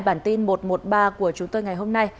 bản tin một trăm một mươi ba của chúng tôi ngày hôm nay